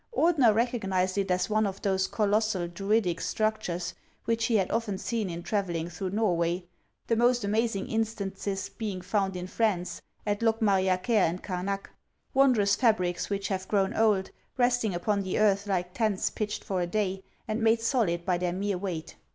Ordeuer recognized it as one of those colossal Druidic structures which he had often seen in travelling through Xorway, the most amazing instances being found in France, at Lokmariaker and Karuak, — wondrous fabrics which have grown old, resting upon the earth like tents pitched for a day, and made solid by their mere weight.